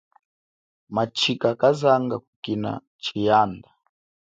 Matshika kazanga kukina tshiyanda.